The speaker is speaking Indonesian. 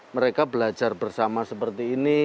mereka belajar bersama seperti ini